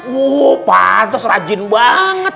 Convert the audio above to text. wuh pantas rajin banget